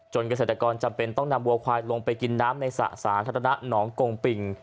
เกษตรกรจำเป็นต้องนำวัวควายลงไปกินน้ำในสระสาธารณะหนองกงปิง